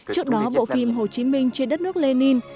trước đó bộ phim hồ chí minh trên đất nước lê ninh